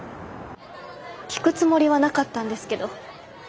聞くつもりはなかったんですけど。